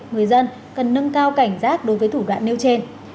người dân cần nâng cao cảnh giác đối với thủ đoạn nêu trên